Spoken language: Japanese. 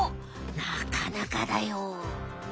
なかなかだよ。